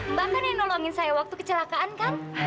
mbak mana yang nolongin saya waktu kecelakaan kan